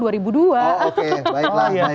oh oke baiklah baiklah